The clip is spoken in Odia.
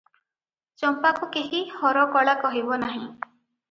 ଚମ୍ପାକୁ କେହି ହରକଳା କହିବ ନାହିଁ ।"